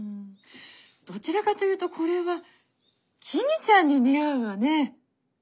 どちらかというとこれは公ちゃんに似合うわね。